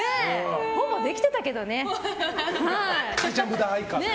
ほぼできてたけどね。